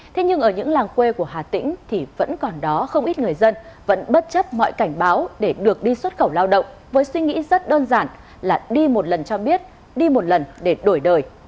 thế nhưng ở những làng quê của hà tĩnh thì vẫn còn đó không ít người dân vẫn bất chấp mọi cảnh báo để được đi xuất khẩu lao động với suy nghĩ rất đơn giản là đi một lần cho biết đi một lần để đổi đời